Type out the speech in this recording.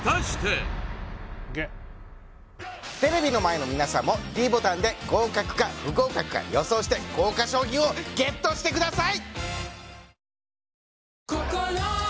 テレビの前の皆さんもｄボタンで合格か不合格か予想して豪華賞品をＧＥＴしてください！